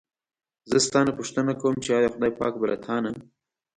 زه ستا نه پوښتنه کووم چې ایا خدای پاک به له تا نه.